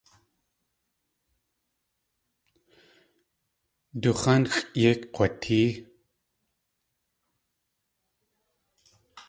Du x̲ánxʼ yéi kg̲watée.